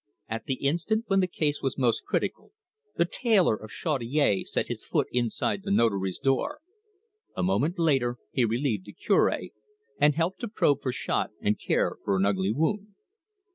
At the instant when the case was most critical the tailor of Chaudiere set his foot inside the Notary's door. A moment later he relieved the Cure and helped to probe for shot, and care for an ugly wound.